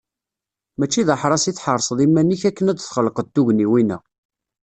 Mačči d aḥras i tḥerseḍ iman-ik akken ad d-txelqeḍ tugniwin-a.